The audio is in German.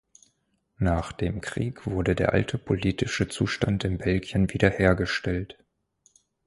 Nach dem Krieg wurde der alte politische Zustand in Belgien wiederhergestellt.